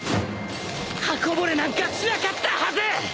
刃こぼれなんかしなかったはず！